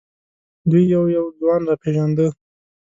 دوی یو یو ځان را پېژانده.